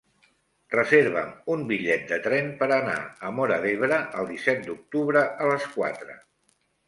Reserva'm un bitllet de tren per anar a Móra d'Ebre el disset d'octubre a les quatre.